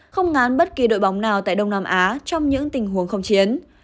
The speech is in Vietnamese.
không ngán bất kỳ đội bóng nào tại đông nam á trong những tình huống không chiến